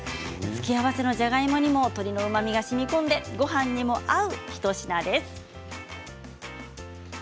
付け合わせのじゃがいもにも鶏のうまみがしみこんでごはんにも合う一品です。